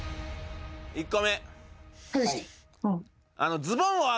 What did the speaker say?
１個目。